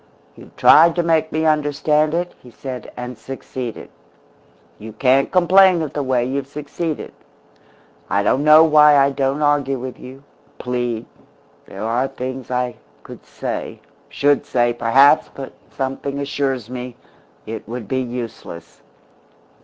"You've tried to make me understand it," he said, "and succeeded. You can't complain of the way you've succeeded. I don't know why I don't argue with you plead; there are things I could say should say, perhaps but something assures me it would be useless.